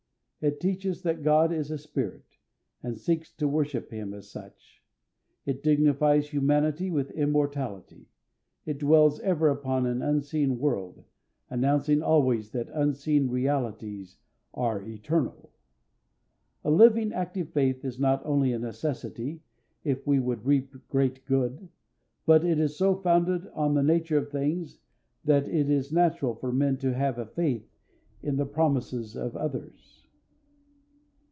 It teaches that God is a spirit, and seeks to worship him as such. It dignifies humanity with immortality. It dwells ever upon an unseen world, announcing always that unseen realities are eternal. A living, active faith is not only a necessity, if we would reap great good, but it is so founded on the nature of things that it is natural for men to have a faith in the promises of others.